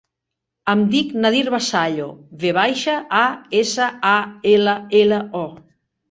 Em dic Nadir Vasallo: ve baixa, a, essa, a, ela, ela, o.